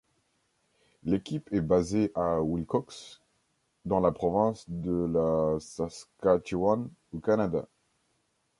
L'équipe est basée à Wilcox dans la province de la Saskatchewan au Canada.